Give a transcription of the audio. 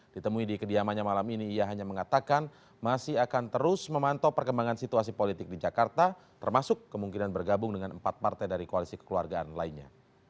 ditemui di kediamannya malam ini ia hanya mengatakan masih akan terus memantau perkembangan situasi politik di jakarta termasuk kemungkinan bergabung dengan empat partai dari koalisi kekeluargaan lainnya